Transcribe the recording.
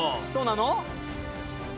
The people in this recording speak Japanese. そうなの？